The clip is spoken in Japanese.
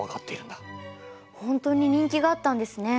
ほんとに人気があったんですね。